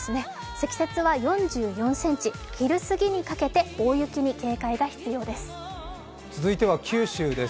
積雪は４４ｃｍ、昼過ぎにかけて大雪に警戒が必要です。